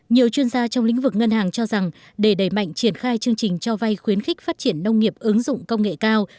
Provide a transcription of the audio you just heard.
nhiều chuyên gia trong lĩnh vực ngân hàng cho rằng để đẩy mạnh triển khai chương trình cho vay khuyến khích phát triển nông nghiệp ứng dụng công nghệ cao